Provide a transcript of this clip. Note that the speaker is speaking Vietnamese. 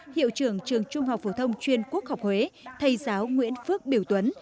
hiệu trưởng trường trung học phổ thông chuyên quốc học huế thầy giáo nguyễn phước biểu tuấn